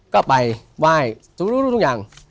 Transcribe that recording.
ก็ไปว่ายทุกอย่าง